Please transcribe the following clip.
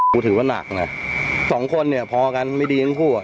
ถือว่าหนักนะสองคนเนี่ยพอกันไม่ดีทั้งคู่อ่ะ